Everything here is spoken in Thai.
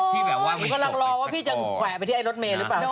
ที่แบบว่ามันจบไปสะกอดโอ้โฮหนูกำลังรอว่าพี่จังแขวะไปที่ไอ้รถเมล์หรือเปล่า